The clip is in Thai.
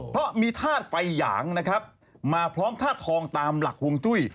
เพราะมีธาตุไฟหยางนะครับมาพร้อมธาตุทองตามหลักฮวงจุ้ย